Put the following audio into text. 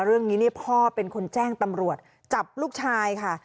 เรื่องนี้นี่พ่อเป็นคนแจ้งตำรวจจับลูกชายค่ะ